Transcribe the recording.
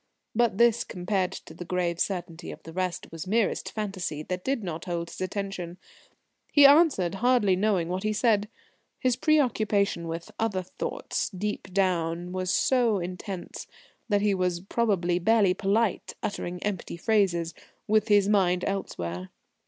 But this, compared to the grave certainty of the rest, was merest fantasy that did not hold his attention. He answered, hardly knowing what he said. His preoccupation with other thoughts deep down was so intense, that he was probably barely polite, uttering empty phrases, with his mind elsewhere.